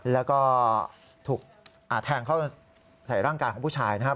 แล้วก็ถูกแทงเข้าใส่ร่างกายของผู้ชายนะครับ